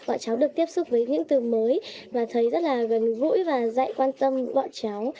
bọn cháu được tiếp xúc với những từ mới và thấy rất là gần gũi và dạy quan tâm bọn cháu